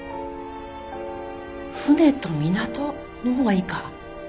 船と港のほうがいいか？